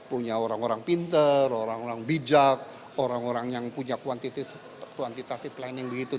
punya orang orang pinter orang orang bijak orang orang yang punya kuantitatif planning begitu